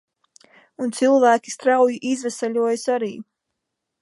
Un cilvēki strauji izveseļojas arī.